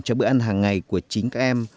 cho bữa ăn hằng ngày của chính các em